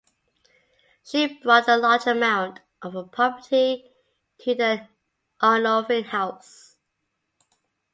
She brought a large amount of property to the Arnulfing house.